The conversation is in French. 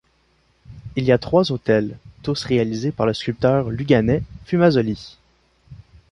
Il y a trois autels, tous réalisés par le sculpteur luganais Fumasoli.